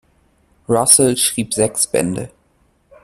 Russell schrieb sechs Bände.